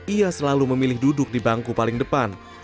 ia selalu memilih duduk di bangku paling depan